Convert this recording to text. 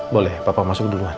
boleh papa masuk duluan